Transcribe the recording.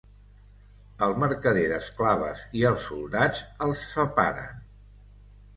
El mercader d'esclaves i els soldats els separen.